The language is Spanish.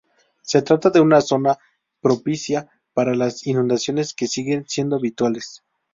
Se trata de una zona propicia para las inundaciones, que siguen siendo habituales.